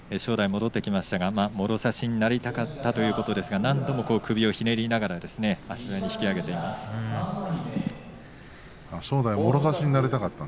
戻ってきましたがもろ差しになりたかったということで何度も首をひねりながら帰っていきました。